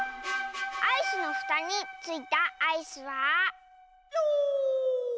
アイスのふたについたアイスは。